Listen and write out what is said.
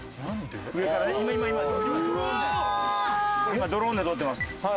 今ドローンで撮ってます。